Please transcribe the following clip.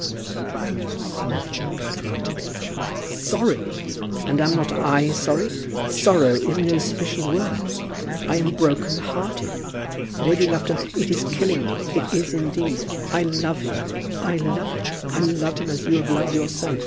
"I am sorry for that, Dr. Grantly." "Sorry! And am not I sorry? Sorrow is no sufficient word. I am broken hearted. Lady Lufton, it is killing me. It is indeed. I love him; I love him; I love him as you have loved your son.